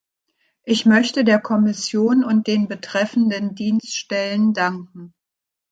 Ich möchte der Kommission und den betreffenden Dienststellen danken.